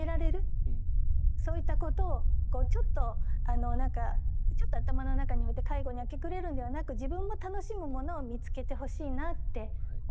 そういったことをこうちょっとあの何かちょっと頭の中に置いて介護に明け暮れるんではなく自分も楽しむものを見つけてほしいなって思いました。